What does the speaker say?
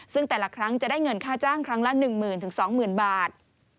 ซึ่งแต่ละครั้งจะได้เงินค่าจ้างครั้งละ๑หมื่นถึง๒หมื่นบาท